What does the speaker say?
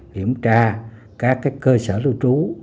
kiểm tra các cơ sở lưu trú